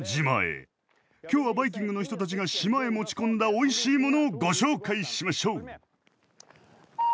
今日はバイキングの人たちが島へ持ち込んだ「おいしいもの」をご紹介しましょう。